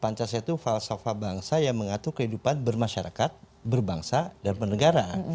pancasila itu falsafah bangsa yang mengatur kehidupan bermasyarakat berbangsa dan bernegara